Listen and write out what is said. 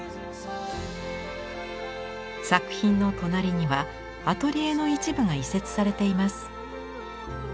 作品の隣にはアトリエの一部が移設されています。